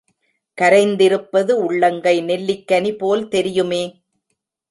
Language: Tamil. கரைந்திருப்பது உள்ளங்கை நெல்லிக்கனி போல் தெரியுமே!